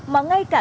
mà ngay cả